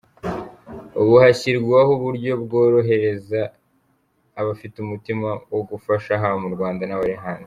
Ubu hashyirwaho uburyo bworohereza abafite umutima wo gufasha haba mu Rwanda n’abari hanze.